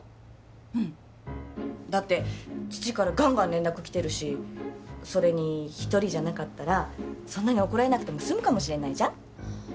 うんだって父からガンガン連絡来てるしそれに一人じゃなかったらそんなに怒られなくても済むかもしれないじゃん